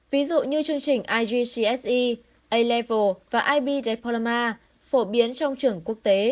ví dụ như chương trình igcse a level và ib diploma phổ biến trong trường quốc tế